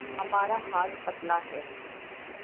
ہمارا حال پتلا ہے۔